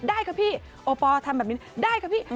ได้ค่ะพี่โอปอล์ทำแบบนี้ได้ค่ะพี่